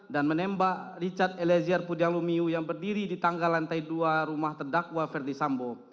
dan menembak richard elezer pudiang lumiu yang berdiri di tangga lantai dua rumah terdakwa ferdi sambo